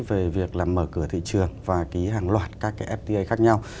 về việc là mở cửa thị trường và ký hàng loạt các cái fta khác nhau